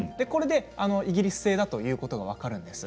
イギリス製だということが分かるんです。